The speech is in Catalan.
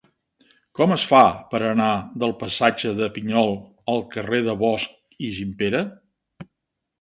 Com es fa per anar del passatge de Pinyol al carrer de Bosch i Gimpera?